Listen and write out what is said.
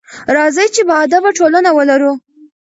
راځئ چې باادبه ټولنه ولرو.